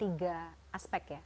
tiga aspek ya